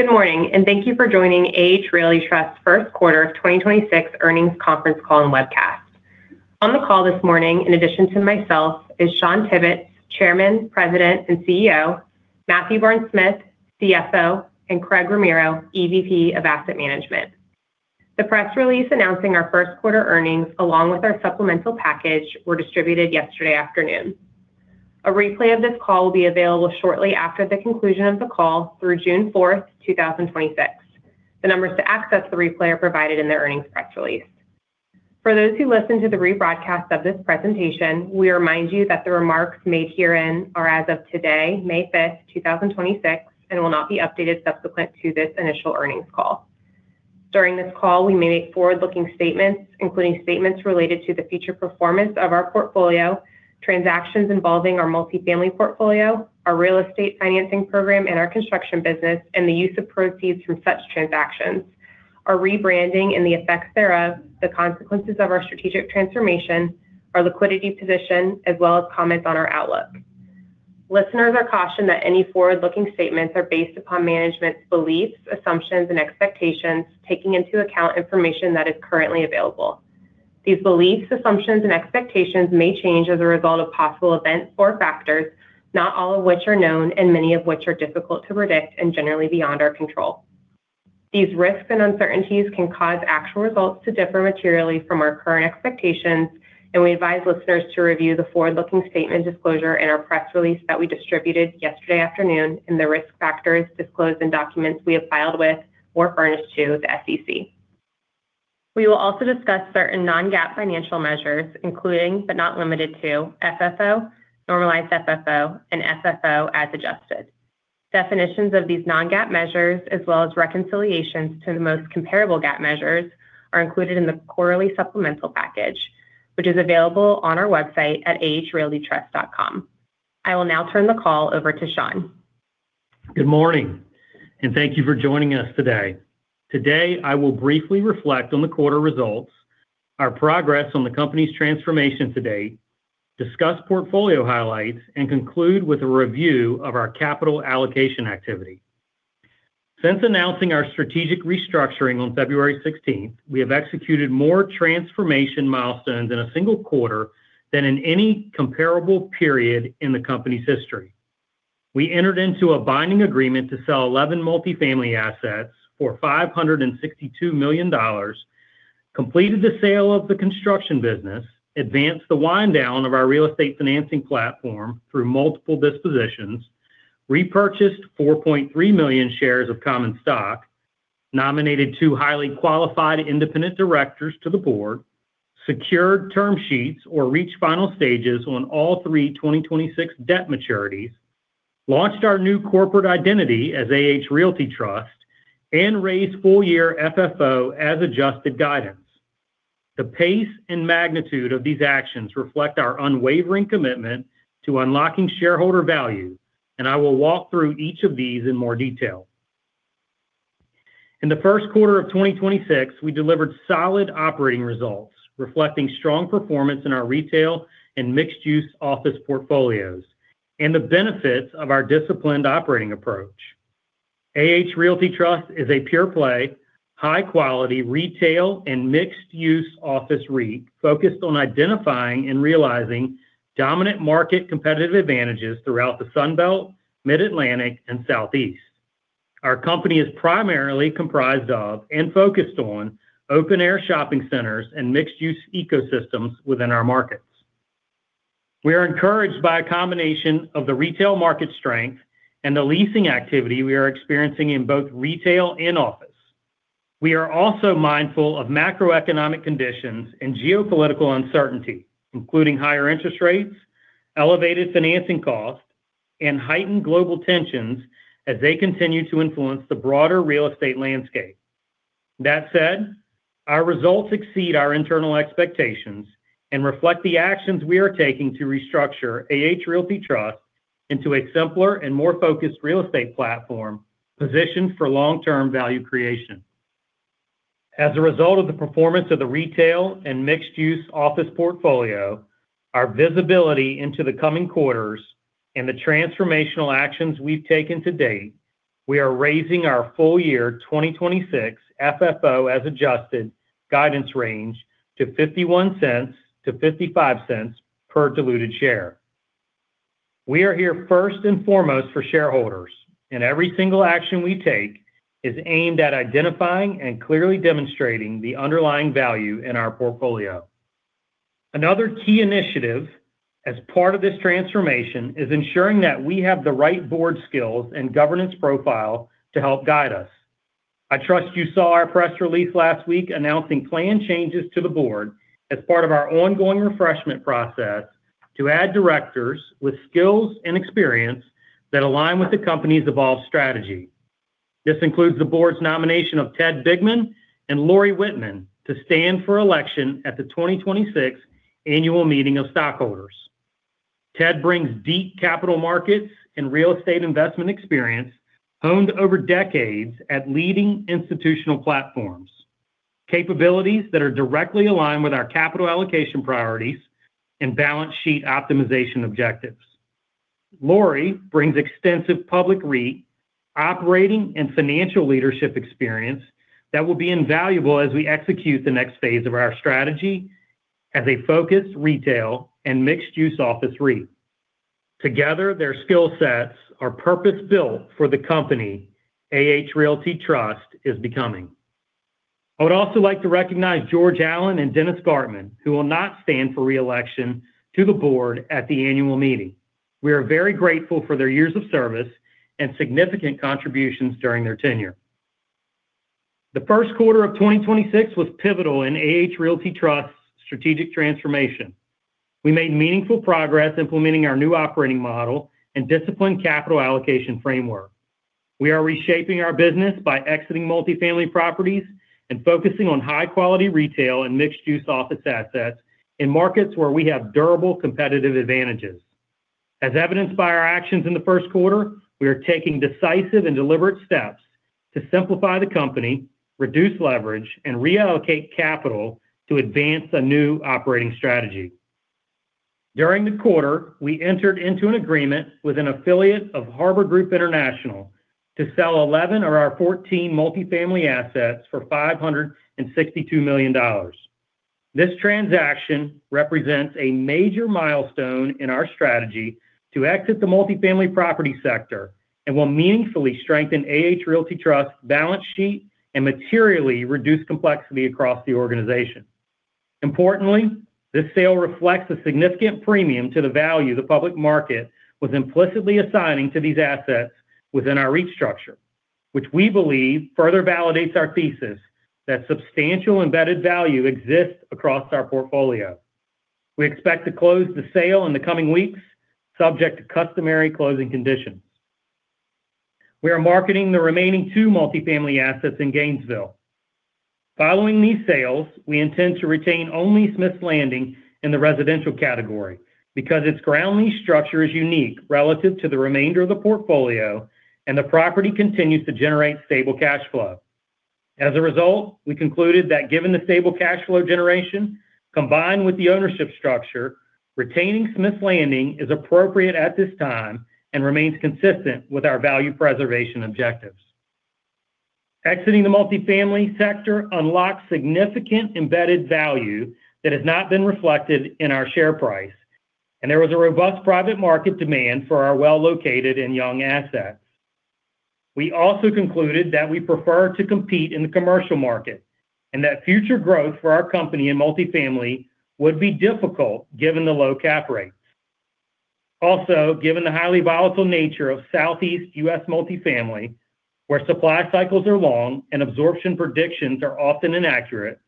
Good morning, thank you for joining AH Realty Trust first quarter of 2026 earnings conference call and webcast. On the call this morning, in addition to myself, is Shawn Tibbetts, Chairman, President, and CEO, Matthew Barnes-Smith, CFO, and Craig Ramiro, EVP of Asset Management. The press release announcing our first quarter earnings, along with our supplemental package, were distributed yesterday afternoon. A replay of this call will be available shortly after the conclusion of the call through June 4, 2026. The numbers to access the replay are provided in the earnings press release. For those who listen to the rebroadcast of this presentation, we remind you that the remarks made herein are as of today, May 5th, 2026, and will not be updated subsequent to this initial earnings call. During this call, we may make forward-looking statements, including statements related to the future performance of our portfolio, transactions involving our multifamily portfolio, our real estate financing program, and our construction business, and the use of proceeds from such transactions, our rebranding and the effects thereof, the consequences of our strategic transformation, our liquidity position, as well as comments on our outlook. Listeners are cautioned that any forward-looking statements are based upon management's beliefs, assumptions, and expectations, taking into account information that is currently available. These beliefs, assumptions, and expectations may change as a result of possible events or factors, not all of which are known and many of which are difficult to predict and generally beyond our control. These risks and uncertainties can cause actual results to differ materially from our current expectations, and we advise listeners to review the forward-looking statement disclosure in our press release that we distributed yesterday afternoon and the risk factors disclosed in documents we have filed with or furnished to the SEC. We will also discuss certain non-GAAP financial measures, including but not limited to FFO, normalized FFO, and FFO as adjusted. Definitions of these non-GAAP measures, as well as reconciliations to the most comparable GAAP measures, are included in the quarterly supplemental package, which is available on our website at ahrealtytrust.com. I will now turn the call over to Shawn. Good morning, thank you for joining us today. Today, I will briefly reflect on the quarter results, our progress on the company's transformation to date, discuss portfolio highlights, and conclude with a review of our capital allocation activity. Since announcing our strategic restructuring on February 16th, we have executed more transformation milestones in a single quarter than in any comparable period in the company's history. We entered into a binding agreement to sell 11 multifamily assets for $562 million, completed the sale of the construction business, advanced the wind down of our real estate financing platform through multiple dispositions, repurchased 4.3 million shares of common stock, nominated two highly qualified independent directors to the board, secured term sheets or reached final stages on all three 2026 debt maturities, launched our new corporate identity as AH Realty Trust, and raised full-year FFO as adjusted guidance. The pace and magnitude of these actions reflect our unwavering commitment to unlocking shareholder value. I will walk through each of these in more detail. In the first quarter of 2026, we delivered solid operating results reflecting strong performance in our retail and mixed use office portfolios and the benefits of our disciplined operating approach. AH Realty Trust is a pure play, high-quality retail and mixed use office REIT focused on identifying and realizing dominant market competitive advantages throughout the Sun Belt, Mid-Atlantic, and Southeast. Our company is primarily comprised of and focused on open air shopping centers and mixed use ecosystems within our markets. We are encouraged by a combination of the retail market strength and the leasing activity we are experiencing in both retail and office. We are also mindful of macroeconomic conditions and geopolitical uncertainty, including higher interest rates, elevated financing costs, and heightened global tensions as they continue to influence the broader real estate landscape. That said, our results exceed our internal expectations and reflect the actions we are taking to restructure AH Realty Trust into a simpler and more focused real estate platform positioned for long-term value creation. As a result of the performance of the retail and mixed-use office portfolio, our visibility into the coming quarters and the transformational actions we've taken to date, we are raising our full year 2026 FFO as adjusted guidance range to $0.51-$0.55 per diluted share. We are here first and foremost for shareholders, and every single action we take is aimed at identifying and clearly demonstrating the underlying value in our portfolio. Another key initiative as part of this transformation is ensuring that we have the right board skills and governance profile to help guide us. I trust you saw our press release last week announcing planned changes to the board as part of our ongoing refreshment process to add directors with skills and experience that align with the company's evolved strategy. This includes the board's nomination of Theodore Bigman and Lori Wittman to stand for election at the 2026 Annual Meeting of Stockholders. Ted brings deep capital markets and real estate investment experience honed over decades at leading institutional platforms. Capabilities that are directly aligned with our capital allocation priorities and balance sheet optimization objectives. Lori brings extensive public REIT, operating, and financial leadership experience that will be invaluable as we execute the next phase of our strategy as a focused retail and mixed-use office REIT. Together, their skill sets are purpose-built for the company AH Realty Trust is becoming. I would also like to recognize George Allen and Dennis Gartman, who will not stand for re-election to the board at the annual meeting. We are very grateful for their years of service and significant contributions during their tenure. The first quarter of 2026 was pivotal in AH Realty Trust's strategic transformation. We made meaningful progress implementing our new operating model and disciplined capital allocation framework. We are reshaping our business by exiting multifamily properties and focusing on high-quality retail and mixed-use office assets in markets where we have durable competitive advantages. As evidenced by our actions in the first quarter, we are taking decisive and deliberate steps to simplify the company, reduce leverage, and reallocate capital to advance a new operating strategy. During the quarter, we entered into an agreement with an affiliate of Harbor Group International to sell 11 of our 14 multifamily assets for $562 million. This transaction represents a major milestone in our strategy to exit the multifamily property sector and will meaningfully strengthen AH Realty Trust's balance sheet and materially reduce complexity across the organization. Importantly, this sale reflects a significant premium to the value the public market was implicitly assigning to these assets within our REIT structure, which we believe further validates our thesis that substantial embedded value exists across our portfolio. We expect to close the sale in the coming weeks, subject to customary closing conditions. We are marketing the remaining two multifamily assets in Gainesville. Following these sales, we intend to retain only Smith's Landing in the residential category because its ground lease structure is unique relative to the remainder of the portfolio, and the property continues to generate stable cash flow. As a result, we concluded that given the stable cash flow generation, combined with the ownership structure, retaining Smith's Landing is appropriate at this time and remains consistent with our value preservation objectives. Exiting the multifamily sector unlocks significant embedded value that has not been reflected in our share price, and there was a robust private market demand for our well-located and young assets. We also concluded that we prefer to compete in the commercial market, and that future growth for our company in multifamily would be difficult given the low cap rates. Given the highly volatile nature of Southeast U.S. multifamily, where supply cycles are long and absorption predictions are often inaccurate,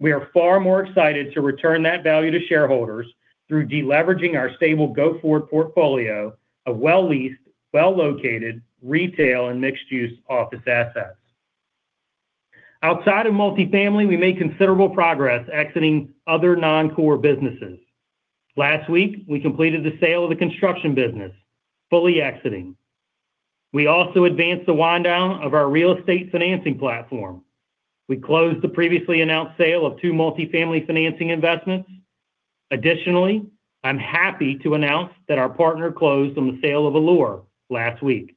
we are far more excited to return that value to shareholders through de-leveraging our stable go-forward portfolio of well-leased, well-located retail and mixed-use office assets. Outside of multifamily, we made considerable progress exiting other non-core businesses. Last week, we completed the sale of the construction business, fully exiting. We also advanced the wind-down of our real estate financing platform. We closed the previously announced sale of two multifamily financing investments. Additionally, I'm happy to announce that our partner closed on the sale of Allure last week.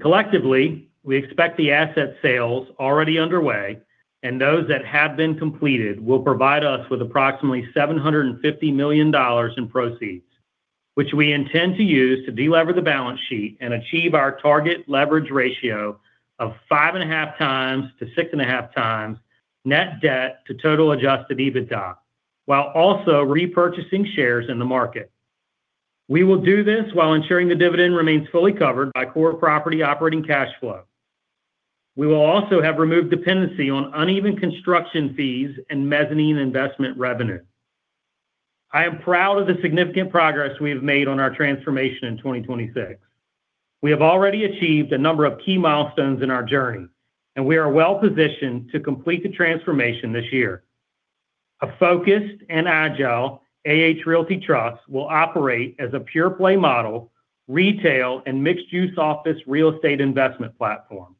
Collectively, we expect the asset sales already underway and those that have been completed will provide us with approximately $750 million in proceeds. Which we intend to use to de-lever the balance sheet and achieve our target leverage ratio of 5.5x to 6.5x net debt to total adjusted EBITDA, while also repurchasing shares in the market. We will do this while ensuring the dividend remains fully covered by core property operating cash flow. We will also have removed dependency on uneven construction fees and mezzanine investment revenue. I am proud of the significant progress we have made on our transformation in 2026. We have already achieved a number of key milestones in our journey, and we are well-positioned to complete the transformation this year. A focused and agile AH Realty Trust will operate as a pure-play model, retail and mixed-use office real estate investment platform.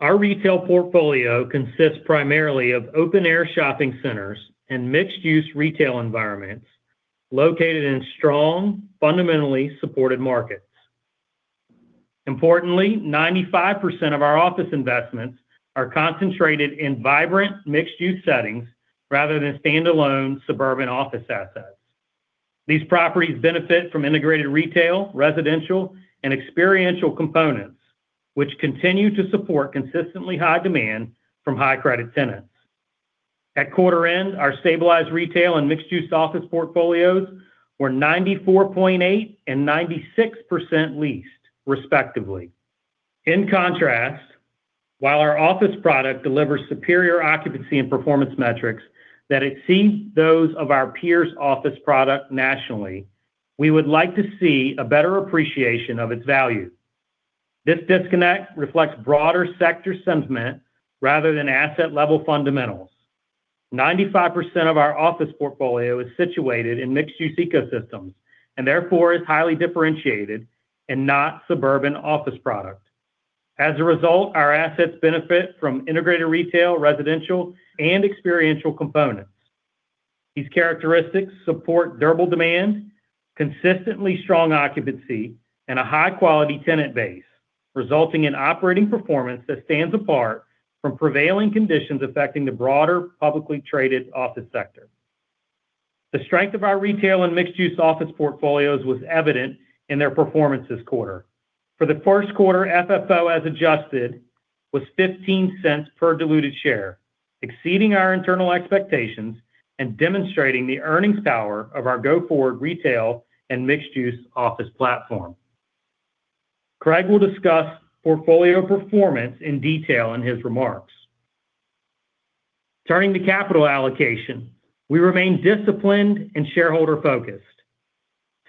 Our retail portfolio consists primarily of open air shopping centers and mixed-use retail environments located in strong, fundamentally supported markets. Importantly, 95% of our office investments are concentrated in vibrant mixed-use settings rather than standalone suburban office assets. These properties benefit from integrated retail, residential, and experiential components, which continue to support consistently high demand from high credit tenants. At quarter end, our stabilized retail and mixed-use office portfolios were 94.8% and 96% leased, respectively. In contrast, while our office product delivers superior occupancy and performance metrics that exceed those of our peers' office product nationally, we would like to see a better appreciation of its value. This disconnect reflects broader sector sentiment rather than asset-level fundamentals. 95% of our office portfolio is situated in mixed-use ecosystems, and therefore is highly differentiated and not suburban office product. As a result, our assets benefit from integrated retail, residential, and experiential components. These characteristics support durable demand, consistently strong occupancy, and a high-quality tenant base, resulting in operating performance that stands apart from prevailing conditions affecting the broader publicly traded office sector. The strength of our retail and mixed-use office portfolios was evident in their performance this quarter. For the first quarter, FFO as adjusted was $0.15 per diluted share, exceeding our internal expectations and demonstrating the earnings power of our go-forward retail and mixed-use office platform. Craig will discuss portfolio performance in detail in his remarks. Turning to capital allocation, we remain disciplined and shareholder-focused.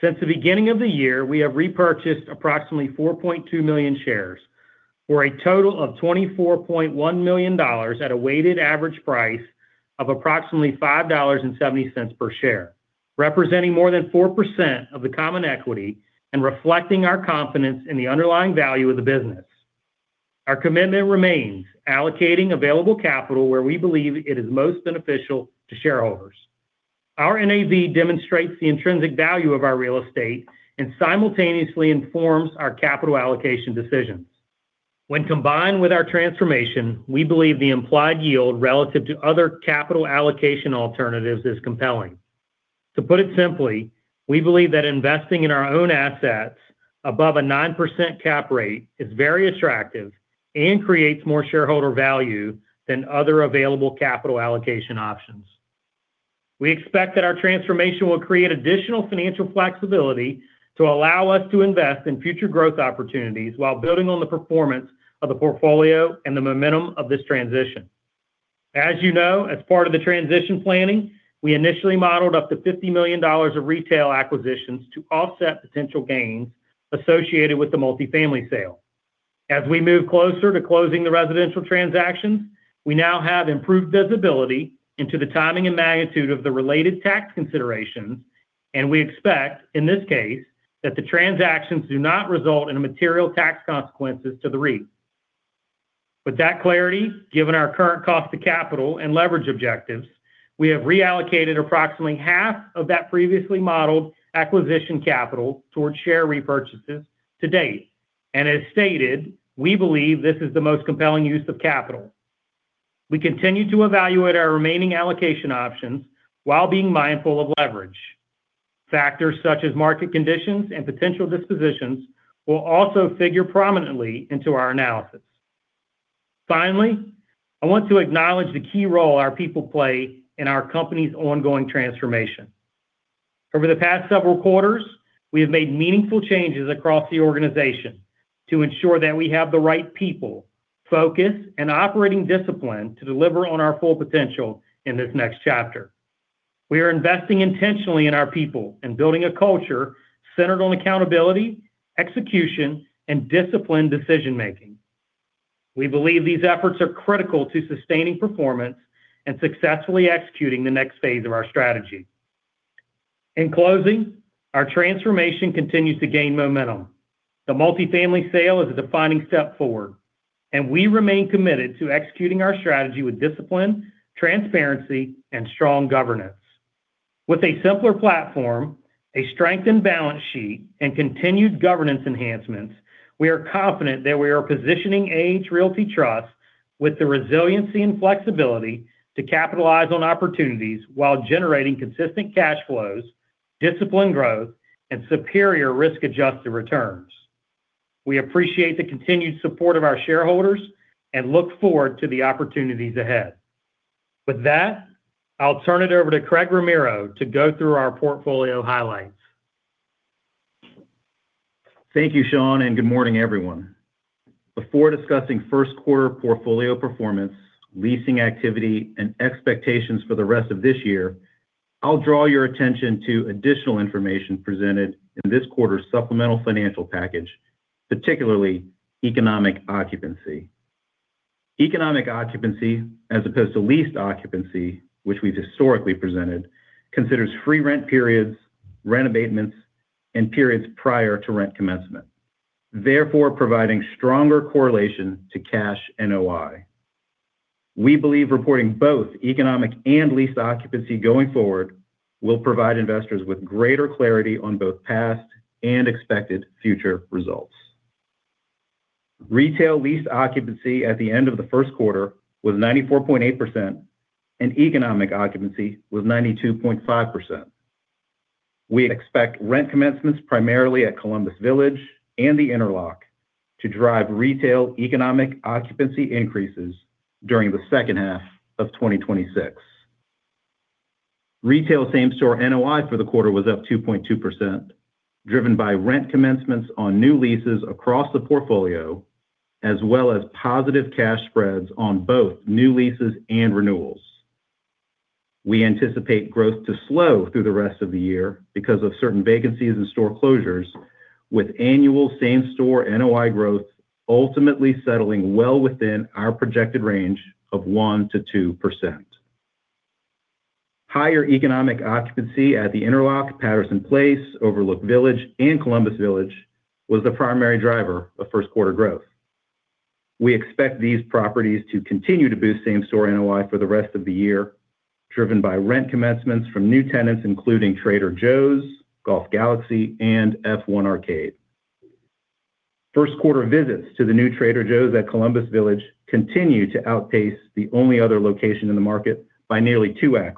Since the beginning of the year, we have repurchased approximately 4.2 million shares for a total of $24.1 million at a weighted average price of approximately $5.70 per share, representing more than 4% of the common equity and reflecting our confidence in the underlying value of the business. Our commitment remains allocating available capital where we believe it is most beneficial to shareholders. Our NAV demonstrates the intrinsic value of our real estate and simultaneously informs our capital allocation decisions. When combined with our transformation, we believe the implied yield relative to other capital allocation alternatives is compelling. To put it simply, we believe that investing in our own assets above a 9% cap rate is very attractive and creates more shareholder value than other available capital allocation options. We expect that our transformation will create additional financial flexibility to allow us to invest in future growth opportunities while building on the performance of the portfolio and the momentum of this transition. As you know, as part of the transition planning, we initially modeled up to $50 million of retail acquisitions to offset potential gains associated with the multifamily sale. As we move closer to closing the residential transactions, we now have improved visibility into the timing and magnitude of the related tax considerations. We expect, in this case, that the transactions do not result in a material tax consequences to the REIT. With that clarity, given our current cost to capital and leverage objectives, we have reallocated approximately half of that previously modeled acquisition capital towards share repurchases to date. As stated, we believe this is the most compelling use of capital. We continue to evaluate our remaining allocation options while being mindful of leverage. Factors such as market conditions and potential dispositions will also figure prominently into our analysis. I want to acknowledge the key role our people play in our company's ongoing transformation. Over the past several quarters, we have made meaningful changes across the organization to ensure that we have the right people, focus, and operating discipline to deliver on our full potential in this next chapter. We are investing intentionally in our people and building a culture centered on accountability, execution, and disciplined decision-making. We believe these efforts are critical to sustaining performance and successfully executing the next phase of our strategy. In closing, our transformation continues to gain momentum. The multifamily sale is a defining step forward, and we remain committed to executing our strategy with discipline, transparency, and strong governance. With a simpler platform, a strengthened balance sheet, and continued governance enhancements, we are confident that we are positioning AH Realty Trust with the resiliency and flexibility to capitalize on opportunities while generating consistent cash flows, disciplined growth, and superior risk-adjusted returns. We appreciate the continued support of our shareholders and look forward to the opportunities ahead. With that, I'll turn it over to Craig Ramiro to go through our portfolio highlights. Thank you, Shawn, and good morning, everyone. Before discussing first quarter portfolio performance, leasing activity, and expectations for the rest of this year, I'll draw your attention to additional information presented in this quarter's supplemental financial package, particularly economic occupancy. Economic occupancy, as opposed to leased occupancy, which we've historically presented, considers free rent periods, rent abatements, and periods prior to rent commencement, therefore providing stronger correlation to cash NOI. We believe reporting both economic and leased occupancy going forward will provide investors with greater clarity on both past and expected future results. Retail leased occupancy at the end of the first quarter was 94.8%, and economic occupancy was 92.5%. We expect rent commencements primarily at Columbus Village and the Interlock to drive retail economic occupancy increases during the second half of 2026. Retail same-store NOI for the quarter was up 2.2%, driven by rent commencements on new leases across the portfolio, as well as positive cash spreads on both new leases and renewals. We anticipate growth to slow through the rest of the year because of certain vacancies and store closures, with annual same-store NOI growth ultimately settling well within our projected range of 1%-2%. Higher economic occupancy at the Interlock, Patterson Place, Overlook Village, and Columbus Village was the primary driver of first quarter growth. We expect these properties to continue to boost same-store NOI for the rest of the year, driven by rent commencements from new tenants, including Trader Joe's, Golf Galaxy, and F1 Arcade. First quarter visits to the new Trader Joe's at Columbus Village continue to outpace the only other location in the market by nearly 2x,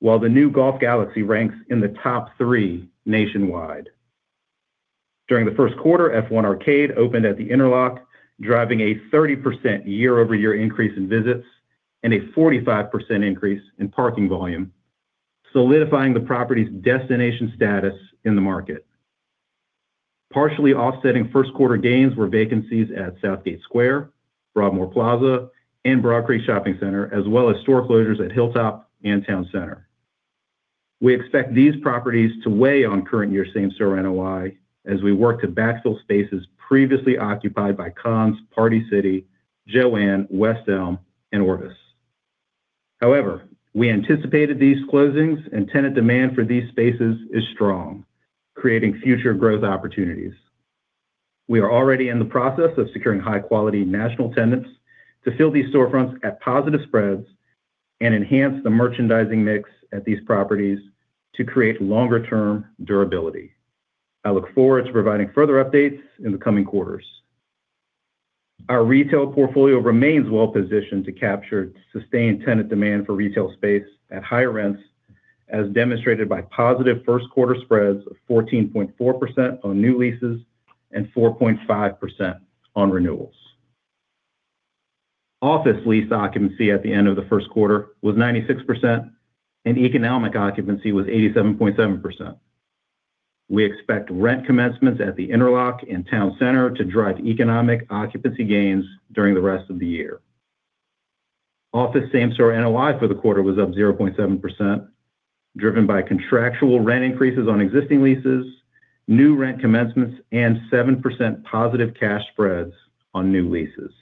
while the new Golf Galaxy ranks in the top three nationwide. During the first quarter, F1 Arcade opened at the Interlock, driving a 30% year-over-year increase in visits and a 45% increase in parking volume, solidifying the property's destination status in the market. Partially offsetting first quarter gains were vacancies at Southgate Square, Broadmoor Plaza, and Broad Creek Shopping Center, as well as store closures at Hilltop and Town Center. We expect these properties to weigh on current year same-store NOI as we work to backfill spaces previously occupied by Conn's, Party City, Jo-Ann, West Elm, and Orvis. However, we anticipated these closings and tenant demand for these spaces is strong, creating future growth opportunities. We are already in the process of securing high quality national tenants to fill these storefronts at positive spreads and enhance the merchandising mix at these properties to create longer term durability. I look forward to providing further updates in the coming quarters. Our retail portfolio remains well positioned to capture sustained tenant demand for retail space at higher rents, as demonstrated by positive first quarter spreads of 14.4% on new leases and 4.5% on renewals. Office lease occupancy at the end of the first quarter was 96% and economic occupancy was 87.7%. We expect rent commencements at the Interlock and Town Center to drive economic occupancy gains during the rest of the year. Office same-store NOI for the quarter was up 0.7%, driven by contractual rent increases on existing leases, new rent commencements, and 7% positive cash spreads on new leases.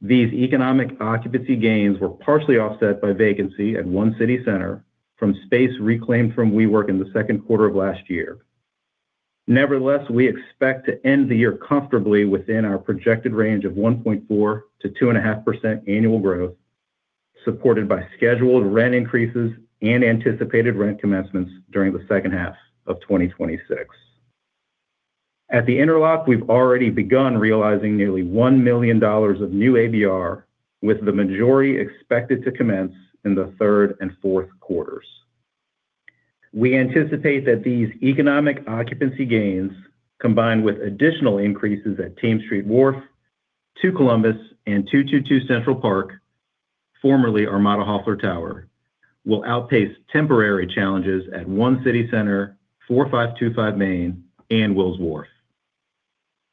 These economic occupancy gains were partially offset by vacancy at One City Center from space reclaimed from WeWork in the second quarter of last year. Nevertheless, we expect to end the year comfortably within our projected range of 1.4%-2.5% annual growth, supported by scheduled rent increases and anticipated rent commencements during the second half of 2026. At The Interlock, we've already begun realizing nearly $1 million of new ABR, with the majority expected to commence in the third and fourth quarters. We anticipate that these economic occupancy gains, combined with additional increases at Thames Street Wharf, Two Columbus, and 222 Central Park, formerly Armada Hoffler Tower, will outpace temporary challenges at One City Center, 4525 Main, and Wills Wharf.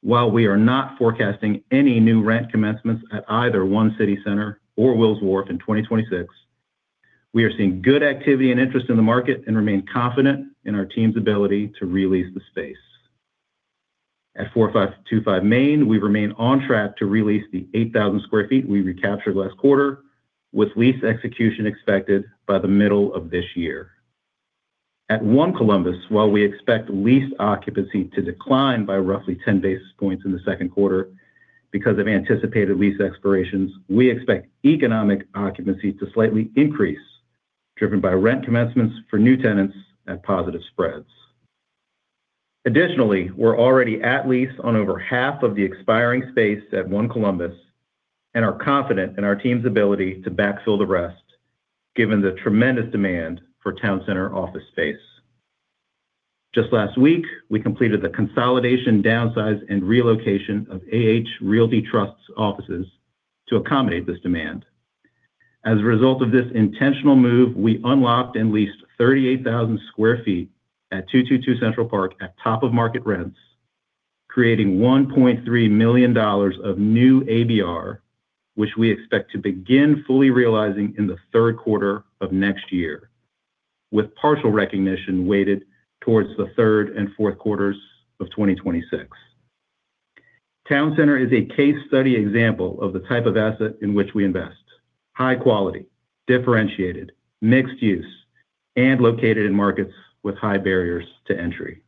While we are not forecasting any new rent commencements at either One City Center or Wills Wharf in 2026, we are seeing good activity and interest in the market and remain confident in our team's ability to re-lease the space. At 4525 Main, we remain on track to re-lease the 8,000 sq ft we recaptured last quarter, with lease execution expected by the middle of this year. At One Columbus, while we expect lease occupancy to decline by roughly 10 basis points in the second quarter because of anticipated lease expirations, we expect economic occupancy to slightly increase, driven by rent commencements for new tenants at positive spreads. Additionally, we're already at lease on over half of the expiring space at One Columbus and are confident in our team's ability to backfill the rest, given the tremendous demand for Town Center office space. Just last week, we completed the consolidation, downsize, and relocation of AH Realty Trust's offices to accommodate this demand. As a result of this intentional move, we unlocked and leased 38,000 sq ft at 222 Central Park at top of market rents, creating $1.3 million of new ABR, which we expect to begin fully realizing in the third quarter of next year, with partial recognition weighted towards the third and fourth quarters of 2026. Town Center is a case study example of the type of asset in which we invest, high quality, differentiated, mixed use, and located in markets with high barriers to entry.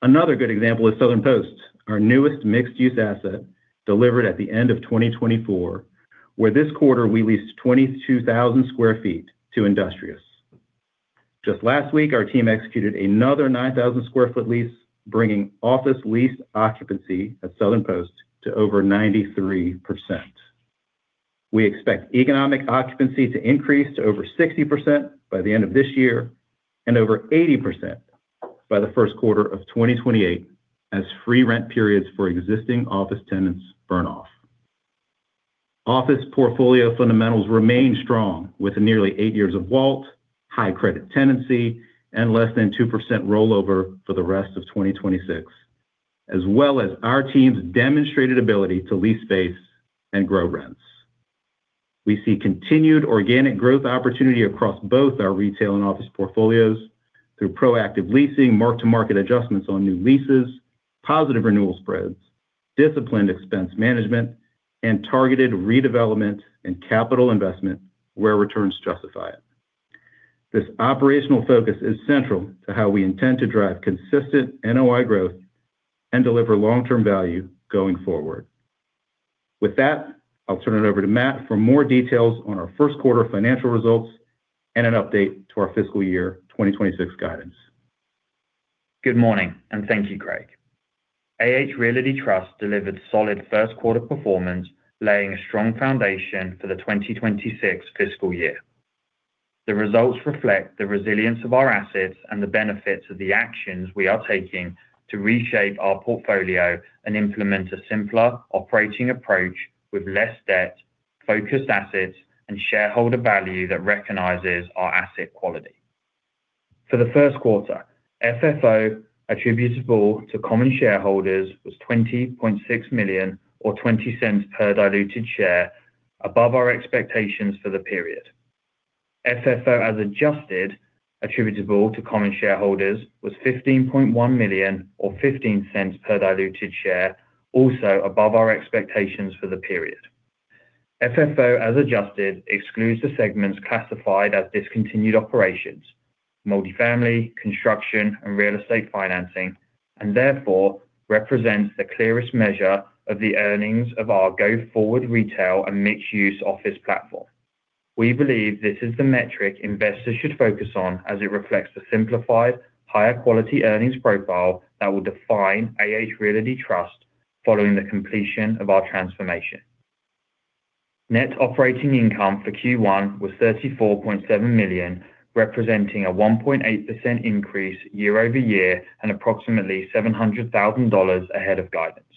Another good example is Southern Post, our newest mixed use asset delivered at the end of 2024, where this quarter we leased 22,000 sq ft to Industrious. Just last week, our team executed another 9,000 sq ft lease, bringing office lease occupancy at Southern Post to over 93%. We expect economic occupancy to increase to over 60% by the end of this year and over 80% by the first quarter of 2028 as free rent periods for existing office tenants burn off. Office portfolio fundamentals remain strong with nearly eight years of WALT, high credit tenancy, and less than 2% rollover for the rest of 2026, as well as our team's demonstrated ability to lease space and grow rents. We see continued organic growth opportunity across both our retail and office portfolios through proactive leasing, mark-to-market adjustments on new leases, positive renewal spreads, disciplined expense management, and targeted redevelopment and capital investment where returns justify it. This operational focus is central to how we intend to drive consistent NOI growth and deliver long-term value going forward. With that, I'll turn it over to Matt for more details on our first quarter financial results and an update to our fiscal year 2026 guidance. Good morning, and thank you, Craig. AH Realty Trust delivered solid first quarter performance, laying a strong foundation for the 2026 fiscal year. The results reflect the resilience of our assets and the benefits of the actions we are taking to reshape our portfolio and implement a simpler operating approach with less debt, focused assets, and shareholder value that recognizes our asset quality. For the first quarter, FFO attributable to common shareholders was $20.6 million or $0.20 per diluted share above our expectations for the period. FFO as adjusted attributable to common shareholders was $15.1 million or $0.15 per diluted share, also above our expectations for the period. FFO as adjusted excludes the segments classified as discontinued operations, multifamily, construction, and real estate financing, therefore represents the clearest measure of the earnings of our go-forward retail and mixed use office platform. We believe this is the metric investors should focus on as it reflects the simplified, higher quality earnings profile that will define AH Realty Trust following the completion of our transformation. Net operating income for Q1 was $34.7 million, representing a 1.8% increase year-over-year and approximately $700,000 ahead of guidance.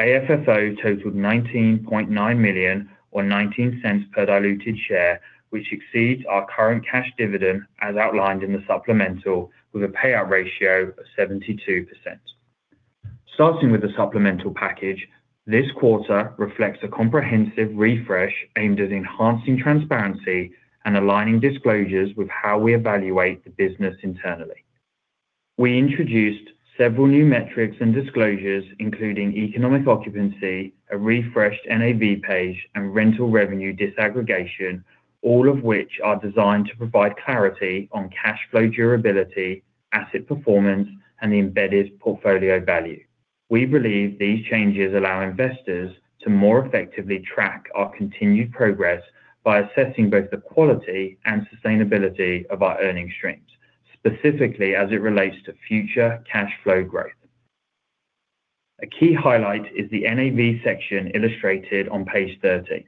AFFO totaled $19.9 million or $0.19 per diluted share, which exceeds our current cash dividend as outlined in the supplemental with a payout ratio of 72%. Starting with the supplemental package, this quarter reflects a comprehensive refresh aimed at enhancing transparency and aligning disclosures with how we evaluate the business internally. We introduced several new metrics and disclosures, including economic occupancy, a refreshed NAV page, and rental revenue disaggregation, all of which are designed to provide clarity on cash flow durability, asset performance, and the embedded portfolio value. We believe these changes allow investors to more effectively track our continued progress by assessing both the quality and sustainability of our earning streams, specifically as it relates to future cash flow growth. A key highlight is the NAV section illustrated on page 30.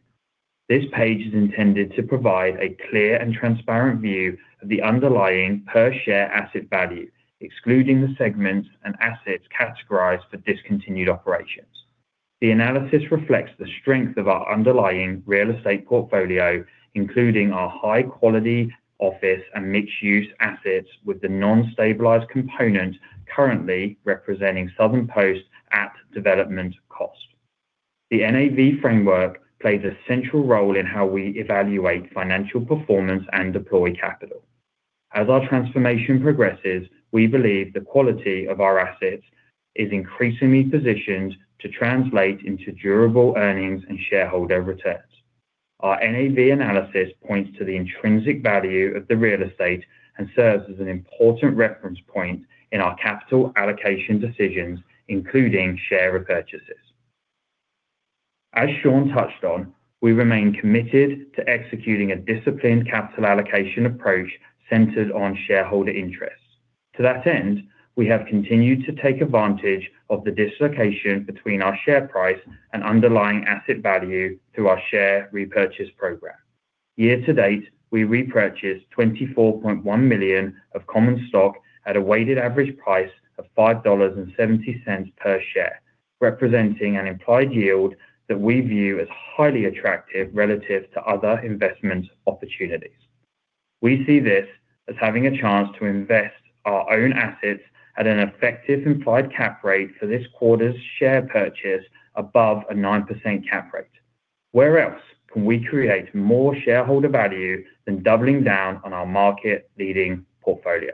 This page is intended to provide a clear and transparent view of the underlying per share asset value, excluding the segments and assets categorized for discontinued operations. The analysis reflects the strength of our underlying real estate portfolio, including our high-quality office and mixed-use assets with the non-stabilized component currently representing Southern Post at development cost. The NAV framework plays a central role in how we evaluate financial performance and deploy capital. As our transformation progresses, we believe the quality of our assets is increasingly positioned to translate into durable earnings and shareholder returns. Our NAV analysis points to the intrinsic value of the real estate and serves as an important reference point in our capital allocation decisions, including share repurchases. As Shawn touched on, we remain committed to executing a disciplined capital allocation approach centered on shareholder interests. To that end, we have continued to take advantage of the dislocation between our share price and underlying asset value through our share repurchase program. Year to date, we repurchased $24.1 million of common stock at a weighted average price of $5.70 per share, representing an implied yield that we view as highly attractive relative to other investment opportunities. We see this as having a chance to invest our own assets at an effective implied cap rate for this quarter's share purchase above a 9% cap rate. Where else can we create more shareholder value than doubling down on our market-leading portfolio?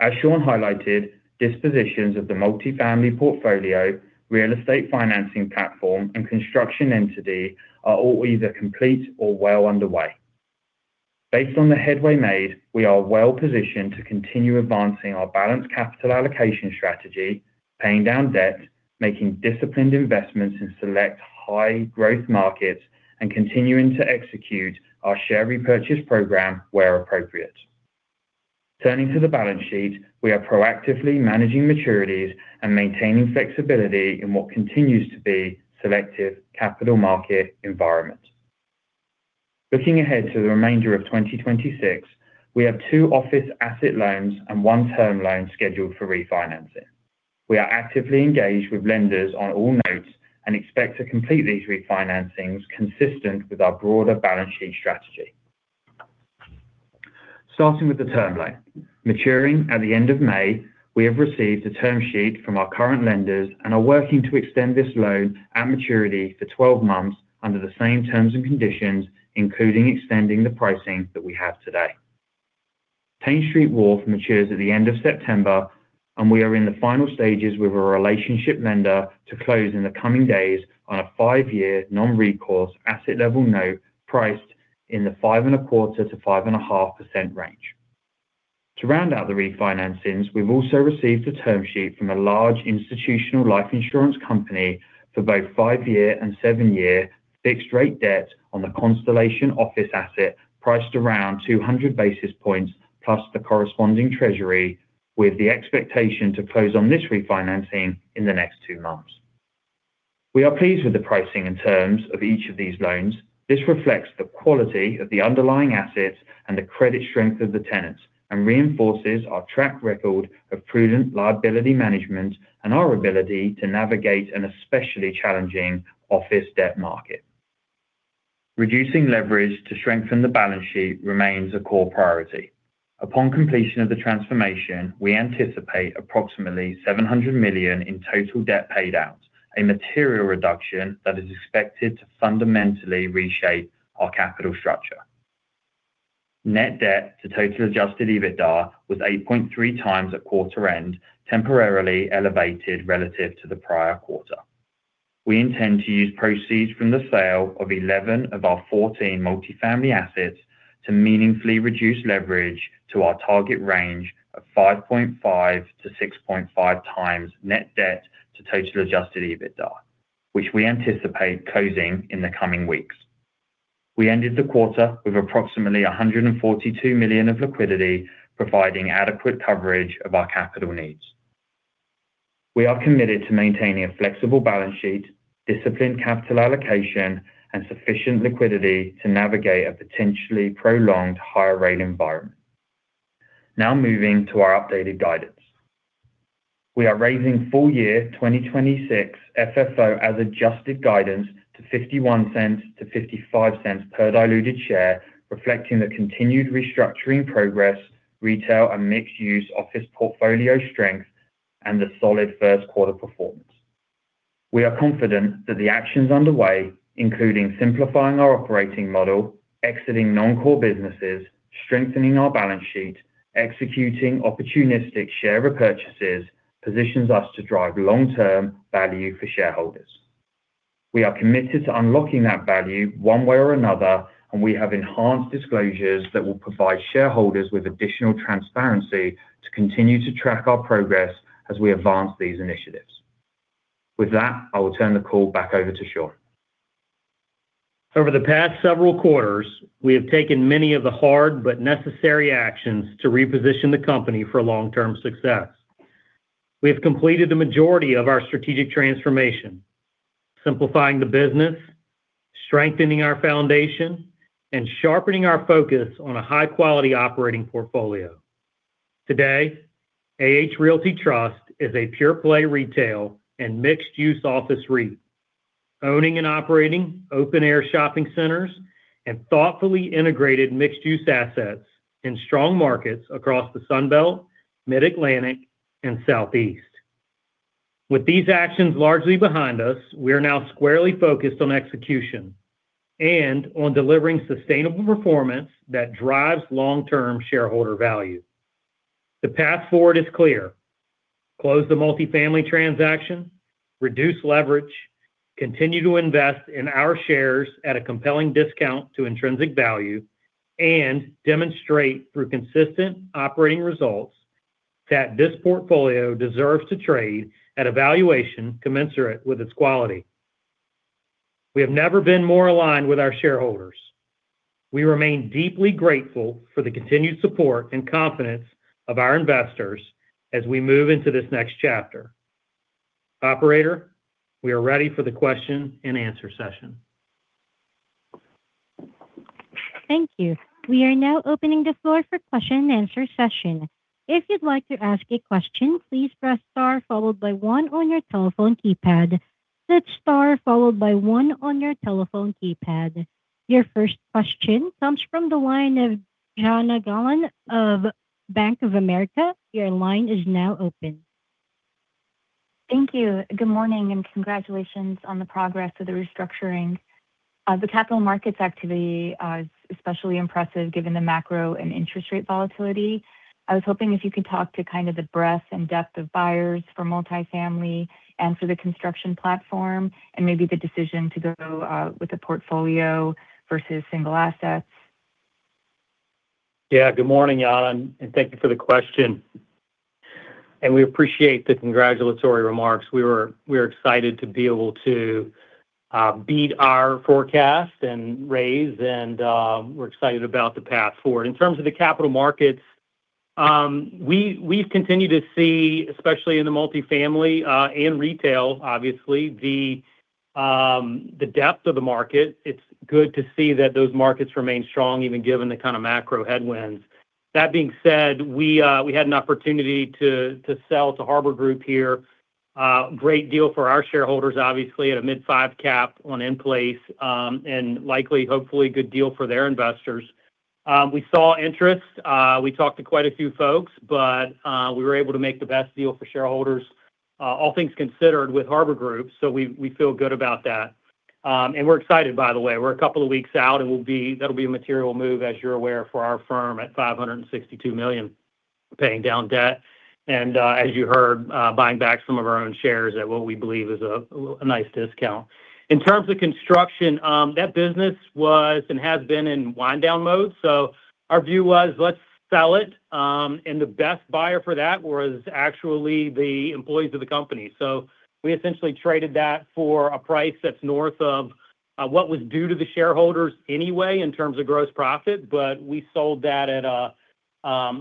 As Shawn highlighted, dispositions of the multifamily portfolio, real estate financing platform, and construction entity are all either complete or well underway. Based on the headway made, we are well-positioned to continue advancing our balanced capital allocation strategy, paying down debt, making disciplined investments in select high growth markets, and continuing to execute our share repurchase program where appropriate. Turning to the balance sheet, we are proactively managing maturities and maintaining flexibility in what continues to be selective capital market environment. Looking ahead to the remainder of 2026, we have 2 office asset loans and 1 term loan scheduled for refinancing. We are actively engaged with lenders on all notes and expect to complete these refinancings consistent with our broader balance sheet strategy. Starting with the term loan. Maturing at the end of May, we have received a term sheet from our current lenders and are working to extend this loan and maturity for 12 months under the same terms and conditions, including extending the pricing that we have today. Thames Street Wharf matures at the end of September. We are in the final stages with a relationship lender to close in the coming days on a five-year non-recourse asset-level note priced in the 5.25%-5.5% range. To round out the refinancings, we've also received a term sheet from a large institutional life insurance company for both five-year and seven-year fixed rate debt on the Constellation Building asset priced around 200 basis points plus the corresponding treasury, with the expectation to close on this refinancing in the next two months. We are pleased with the pricing and terms of each of these loans. This reflects the quality of the underlying assets and the credit strength of the tenants and reinforces our track record of prudent liability management and our ability to navigate an especially challenging office debt market. Reducing leverage to strengthen the balance sheet remains a core priority. Upon completion of the transformation, we anticipate approximately $700 million in total debt paid out, a material reduction that is expected to fundamentally reshape our capital structure. Net debt to total adjusted EBITDA was 8.3x at quarter end, temporarily elevated relative to the prior quarter. We intend to use proceeds from the sale of 11 of our 14 multifamily assets to meaningfully reduce leverage to our target range of 5.5 to 6.5x net debt to total adjusted EBITDA, which we anticipate closing in the coming weeks. We ended the quarter with approximately $142 million of liquidity, providing adequate coverage of our capital needs. We are committed to maintaining a flexible balance sheet, disciplined capital allocation, and sufficient liquidity to navigate a potentially prolonged higher rate environment. Now moving to our updated guidance. We are raising full year 2026 FFO as adjusted guidance to $0.51-$0.55 per diluted share, reflecting the continued restructuring progress, retail and mixed-use office portfolio strength, and the solid first quarter performance. We are confident that the actions underway, including simplifying our operating model, exiting non-core businesses, strengthening our balance sheet, executing opportunistic share repurchases, positions us to drive long-term value for shareholders. We are committed to unlocking that value one way or another. We have enhanced disclosures that will provide shareholders with additional transparency to continue to track our progress as we advance these initiatives. With that, I will turn the call back over to Shawn. Over the past several quarters, we have taken many of the hard but necessary actions to reposition the company for long-term success. We have completed the majority of our strategic transformation, simplifying the business, strengthening our foundation, and sharpening our focus on a high-quality operating portfolio. Today, AH Realty Trust is a pure-play retail and mixed-use office REIT, owning and operating open-air shopping centers and thoughtfully integrated mixed-use assets in strong markets across the Sun Belt, Mid-Atlantic, and Southeast. With these actions largely behind us, we are now squarely focused on execution and on delivering sustainable performance that drives long-term shareholder value. The path forward is clear: Close the multifamily transaction, reduce leverage, continue to invest in our shares at a compelling discount to intrinsic value, and demonstrate through consistent operating results that this portfolio deserves to trade at a valuation commensurate with its quality. We have never been more aligned with our shareholders. We remain deeply grateful for the continued support and confidence of our investors as we move into this next chapter. Operator, we are ready for the question-and-answer session. Thank you. We are now opening the floor for question-and-answer session. If you'd like to ask a question, please press star followed by one on your telephone keypad. That's star followed by one on your telephone keypad. Your first question comes from the line of Jana Galan of Bank of America. Your line is now open. Thank you. Good morning, and congratulations on the progress of the restructuring. The capital markets activity is especially impressive given the macro and interest rate volatility. I was hoping if you could talk to kind of the breadth and depth of buyers for multifamily and for the construction platform and maybe the decision to go with the portfolio versus single assets. Yeah, good morning, Galan. Thank you for the question. We appreciate the congratulatory remarks. We're excited to be able to beat our forecast and raise. We're excited about the path forward. In terms of the capital markets, we've continued to see, especially in the multifamily and retail, obviously, the depth of the market. It's good to see that those markets remain strong even given the kind of macro headwinds. That being said, we had an opportunity to sell to Harbor Group here. Great deal for our shareholders, obviously, at a mid five cap on in place, and likely, hopefully good deal for their investors. We saw interest, we talked to quite a few folks, we were able to make the best deal for shareholders, all things considered, with Harbor Group, we feel good about that. We're excited by the way, we're a couple of weeks out, that'll be a material move, as you're aware, for our firm at $562 million paying down debt, as you heard, buying back some of our own shares at what we believe is a nice discount. In terms of construction, that business was and has been in wind down mode. Our view was, let's sell it, the best buyer for that was actually the employees of the company. We essentially traded that for a price that's north of what was due to the shareholders anyway in terms of gross profit. We sold that at a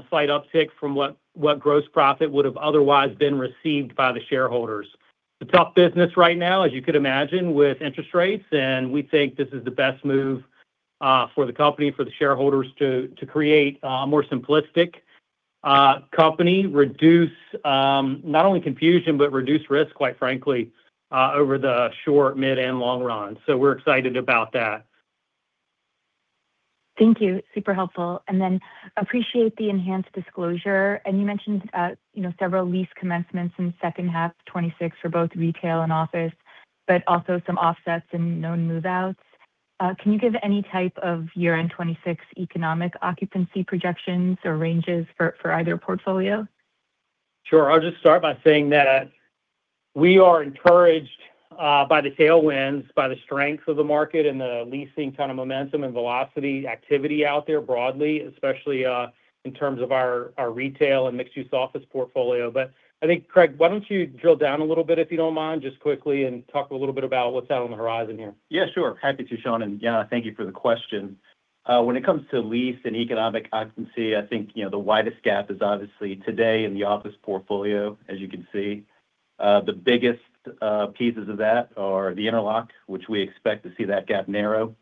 slight uptick from what gross profit would've otherwise been received by the shareholders. It's a tough business right now, as you could imagine, with interest rates, and we think this is the best move for the company, for the shareholders to create a more simplistic company, reduce not only confusion, but reduce risk, quite frankly, over the short, mid, and long run. We're excited about that. Thank you. Super helpful. Appreciate the enhanced disclosure. You mentioned, you know, several lease commencements in second half 2026 for both retail and office, but also some offsets and known move-outs. Can you give any type of year-end 2026 economic occupancy projections or ranges for either portfolio? Sure. I'll just start by saying that we are encouraged, by the tailwinds, by the strength of the market and the leasing kind of momentum and velocity activity out there broadly, especially, in terms of our retail and mixed-use office portfolio. I think, Craig, why don't you drill down a little bit, if you don't mind, just quickly, and talk a little bit about what's out on the horizon here. Yeah, sure. Happy to, Shawn, and Jana, thank you for the question. When it comes to leased and economic occupancy, I think, you know, the widest gap is obviously today in the office portfolio, as you can see. The biggest pieces of that are the interlock, which we expect to see that gap narrow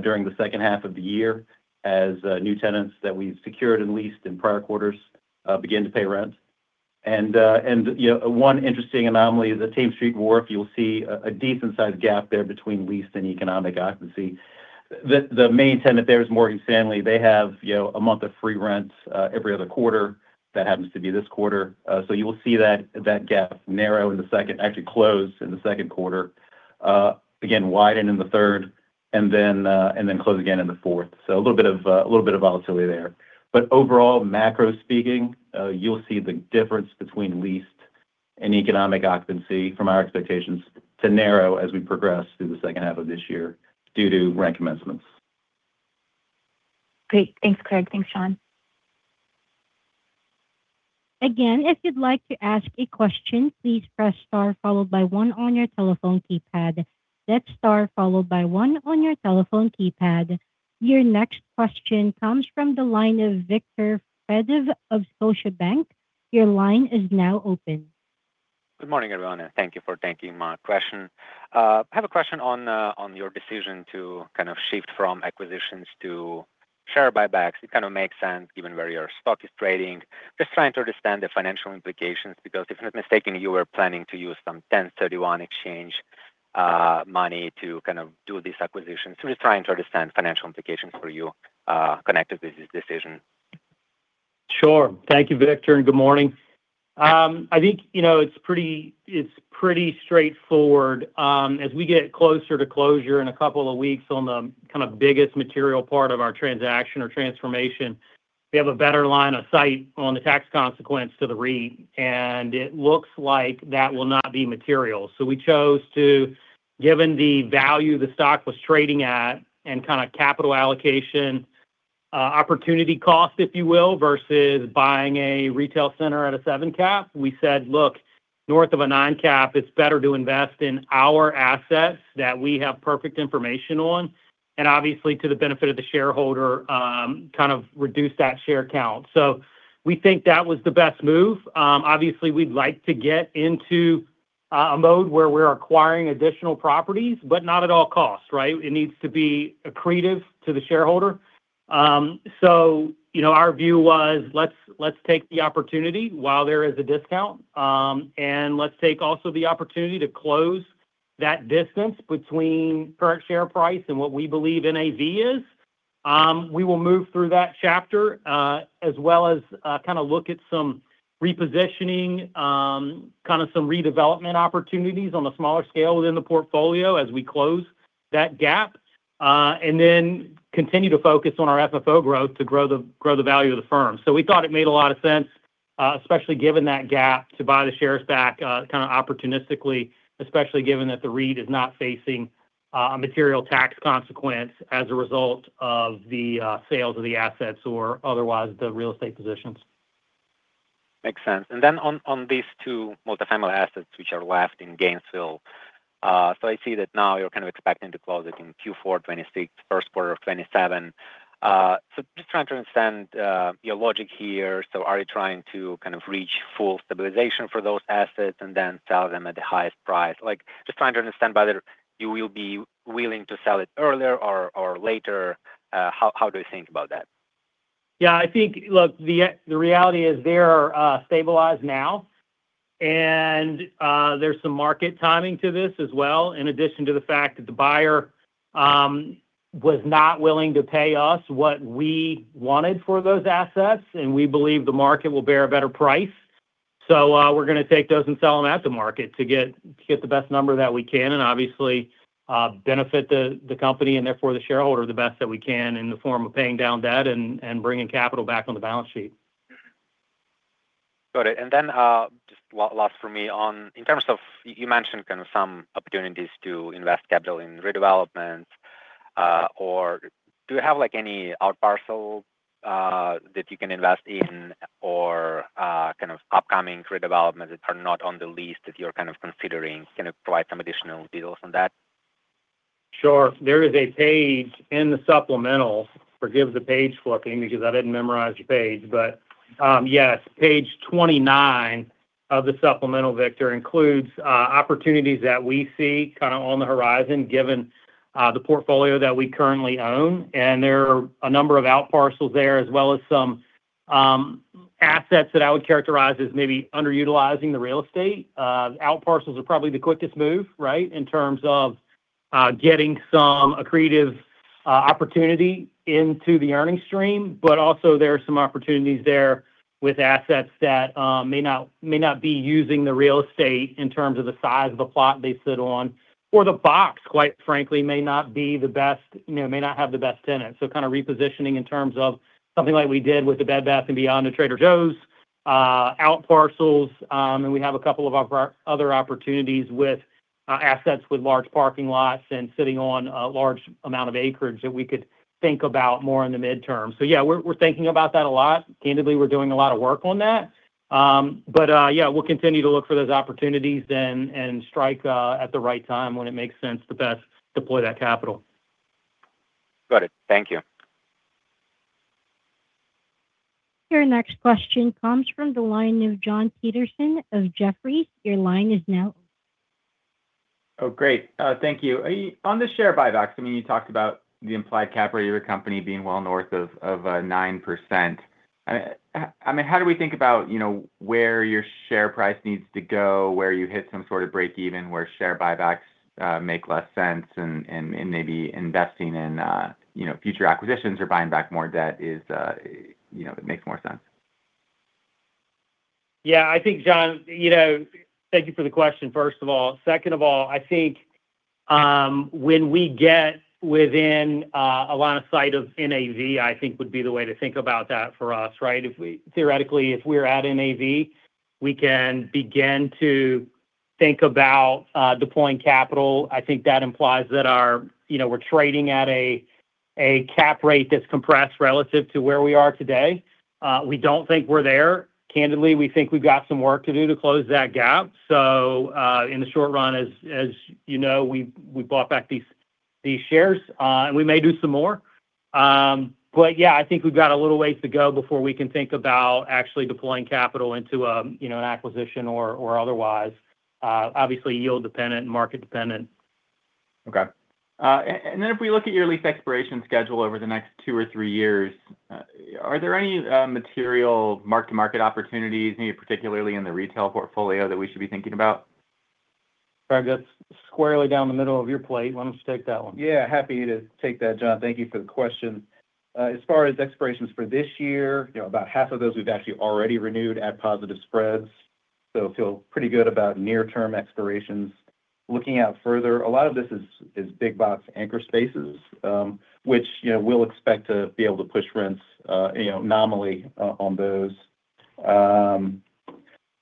during the second half of the year as new tenants that we've secured and leased in prior quarters begin to pay rent. You know, one interesting anomaly is the Thames Street Wharf. You'll see a decent sized gap there between leased and economic occupancy. The main tenant there is Morgan Stanley. They have, you know, a month of free rent every other quarter. That happens to be this quarter. You will see that gap narrow, actually close in the second quarter. Again, widen in the third, then close again in the fourth. A little bit of volatility there. Overall, macro speaking, you'll see the difference between leased and economic occupancy from our expectations to narrow as we progress through the second half of this year due to rent commencements. Great. Thanks, Craig. Thanks, Shawn. Again, if you'd like to ask a question, please press star followed by one on your telephone keypad. That's star followed by one on your telephone keypad. Your next question comes from the line of Viktor Fediv of Scotiabank. Your line is now open. Good morning, everyone, thank you for taking my question. I have a question on your decision to kind of shift from acquisitions to share buybacks. It kind of makes sense given where your stock is trading. Just trying to understand the financial implications, because if I'm not mistaken, you were planning to use some 1031 exchange, money to kind of do these acquisitions. Just trying to understand financial implications for you, connected with this decision. Sure. Thank you, Viktor. Good morning. I think, you know, it's pretty straightforward. As we get closer to closure in a couple of weeks on the kind of biggest material part of our transaction or transformation, we have a better line of sight on the tax consequence to the REIT, and it looks like that will not be material. We chose to, given the value the stock was trading at and kind of capital allocation, opportunity cost, if you will, versus buying a retail center at a seven cap, we said, "Look, north of a 9 cap, it's better to invest in our assets that we have perfect information on," and obviously to the benefit of the shareholder, kind of reduce that share count. We think that was the best move. Obviously we'd like to get into a mode where we're acquiring additional properties, but not at all costs, right? It needs to be accretive to the shareholder. You know, our view was let's take the opportunity while there is a discount, and let's take also the opportunity to close that distance between current share price and what we believe NAV is. We will move through that chapter, as well as kind of look at some repositioning, kind of some redevelopment opportunities on the smaller scale within the portfolio as we close that gap. Continue to focus on our FFO growth to grow the value of the firm. We thought it made a lot of sense, especially given that gap, to buy the shares back, kind of opportunistically, especially given that the REIT is not facing a material tax consequence as a result of the sales of the assets or otherwise the real estate positions. Makes sense. Then on these two multifamily assets which are left in Gainesville, I see that now you're kind of expecting to close it in Q4 2026, first quarter of 2027. Just trying to understand your logic here. Are you trying to kind of reach full stabilization for those assets and then sell them at the highest price? Like, just trying to understand whether you will be willing to sell it earlier or later. How do you think about that? The reality is they are stabilized now, and there's some market timing to this as well, in addition to the fact that the buyer was not willing to pay us what we wanted for those assets, and we believe the market will bear a better price. We're gonna take those and sell them at the market to get the best number that we can, and obviously, benefit the company, and therefore the shareholder, the best that we can in the form of paying down debt and bringing capital back on the balance sheet. Got it. Just last for me on In terms of you mentioned kind of some opportunities to invest capital in redevelopments, or do you have, like, any out parcel, that you can invest in or, kind of upcoming redevelopment that are not on the list that you're kind of considering? Can you provide some additional details on that? Sure. There is a page in the supplemental. Forgive the page flipping because I didn't memorize your page. Yes, page 29 of the supplemental, Viktor, includes opportunities that we see kind of on the horizon given the portfolio that we currently own. There are a number of out parcels there as well as some assets that I would characterize as maybe underutilizing the real estate. Out parcels are probably the quickest move, right, in terms of getting some accretive opportunity into the earning stream. Also there are some opportunities there with assets that may not be using the real estate in terms of the size of the plot they sit on. The box, quite frankly, may not be the best, you know, may not have the best tenant. Kind of repositioning in terms of something like we did with the Bed Bath & Beyond to Trader Joe's out parcels. We have 2 other opportunities with assets with large parking lots and sitting on a large amount of acreage that we could think about more in the midterm. Yeah, we're thinking about that a lot. Candidly, we're doing a lot of work on that. Yeah, we'll continue to look for those opportunities and strike at the right time when it makes sense to best deploy that capital. Got it. Thank you. Your next question comes from the line of Jon Petersen of Jefferies. Your line is now open. Great. Thank you. On the share buybacks, I mean, you talked about the implied cap rate of your company being well north of 9%. I mean, how do we think about, you know, where your share price needs to go, where you hit some sort of break even, where share buybacks make less sense and maybe investing in, you know, future acquisitions or buying back more debt is, you know, it makes more sense? I think, Jon, you know Thank you for the question, first of all. Second of all, I think, when we get within a line of sight of NAV, I think would be the way to think about that for us, right? Theoretically, if we're at NAV, we can begin to think about deploying capital. I think that implies that our, you know, we're trading at a cap rate that's compressed relative to where we are today. We don't think we're there. Candidly, we think we've got some work to do to close that gap. In the short run, as you know, we bought back these shares, and we may do some more. Yeah, I think we've got a little ways to go before we can think about actually deploying capital into, you know, an acquisition or otherwise. Obviously yield dependent and market dependent. Okay. If we look at your lease expiration schedule over the next two or three years, are there any material mark-to-market opportunities, maybe particularly in the retail portfolio, that we should be thinking about? Craig, that's squarely down the middle of your plate. Why don't you take that one? Yeah, happy to take that, Jon. Thank you for the question. As far as expirations for this year, you know, about half of those we've actually already renewed at positive spreads. Feel pretty good about near term expirations. Looking out further, a lot of this is big box anchor spaces, which, you know, we'll expect to be able to push rents, you know, nominally on those.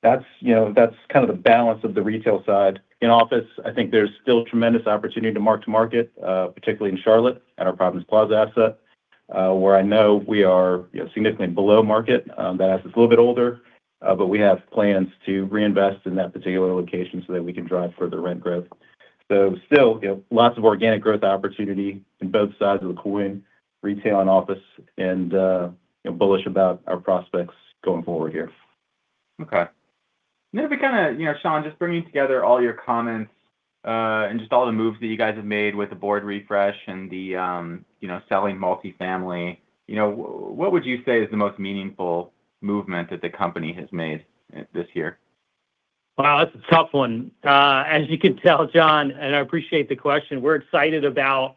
That's, you know, that's kind of the balance of the retail side. In office, I think there's still tremendous opportunity to mark to market, particularly in Charlotte at our Providence Plaza asset, where I know we are, you know, significantly below market. That asset's a little bit older, but we have plans to reinvest in that particular location so that we can drive further rent growth. Still, you know, lots of organic growth opportunity in both sides of the coin, retail and office, and, you know, bullish about our prospects going forward here. Okay. If we kinda, you know, Shawn, just bringing together all your comments, and just all the moves that you guys have made with the board refresh and the, you know, selling multifamily, you know, what would you say is the most meaningful movement that the company has made this year? Wow, that's a tough one. As you can tell, Jon, and I appreciate the question, we're excited about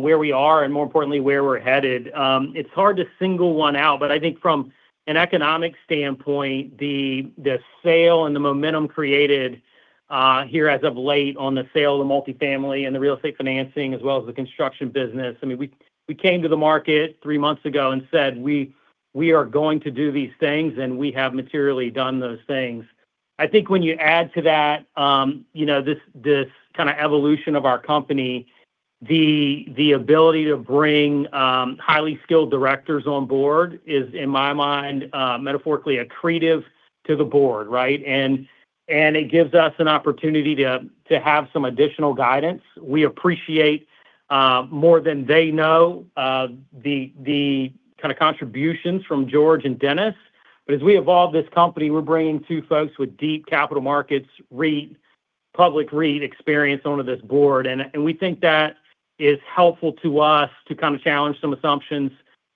where we are and more importantly, where we're headed. It's hard to single one out, but I think from an economic standpoint, the sale and the momentum created here as of late on the sale of the multifamily and the real estate financing as well as the construction business. I mean, we came to the market three months ago and said, "We are going to do these things," and we have materially done those things. I think when you add to that, you know, this kind of evolution of our company, the ability to bring highly skilled directors on board is, in my mind, metaphorically accretive to the board, right? It gives us an opportunity to have some additional guidance. We appreciate more than they know the kind of contributions from George and Dennis. As we evolve this company, we're bringing two folks with deep capital markets, REIT, public REIT experience onto this board. We think that is helpful to us to kind of challenge some assumptions,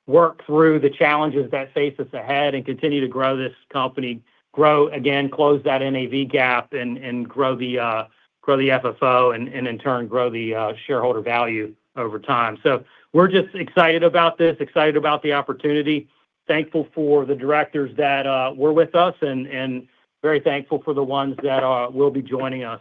work through the challenges that face us ahead, and continue to grow this company. Grow, again, close that NAV gap and grow the FFO and in turn, grow the shareholder value over time. We're just excited about this, excited about the opportunity, thankful for the directors that were with us, and very thankful for the ones that will be joining us.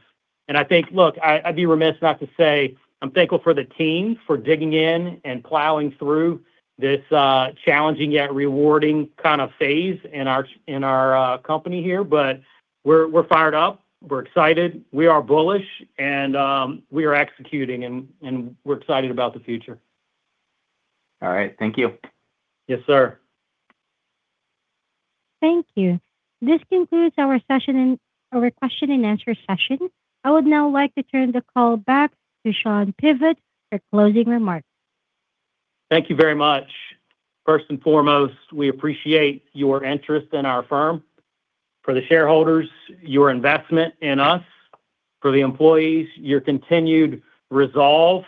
I think, look, I'd be remiss not to say I'm thankful for the team for digging in and plowing through this challenging yet rewarding kind of phase in our company here. We're fired up, we're excited, we are bullish, and we are executing and we're excited about the future. All right. Thank you. Yes, sir. Thank you. This concludes our question and answer session. I would now like to turn the call back to Shawn Tibbetts for closing remarks. Thank you very much. First and foremost, we appreciate your interest in our firm. For the shareholders, your investment in us. For the employees, your continued resolve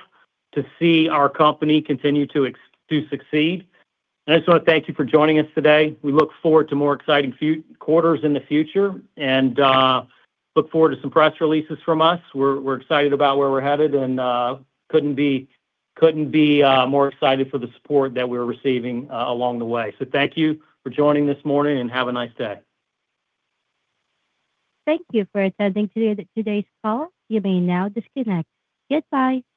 to see our company continue to succeed. I just wanna thank you for joining us today. We look forward to more exciting quarters in the future, look forward to some press releases from us. We're excited about where we're headed, couldn't be more excited for the support that we're receiving along the way. Thank you for joining this morning, have a nice day. Thank you for attending today's call. You may now disconnect. Goodbye.